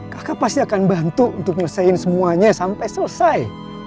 kakak pasti akan bantu untuk menyelesaikan semuanya sampai selesai